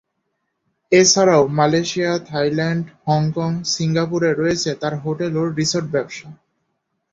এছাড়াও Malaysia, Thailand, Hong Kong, সিঙ্গাপুরে রয়েছে তার হোটেল ও রিসোর্ট ব্যবসা।